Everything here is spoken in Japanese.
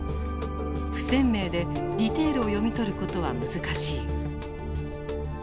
不鮮明でディテールを読み取ることは難しい。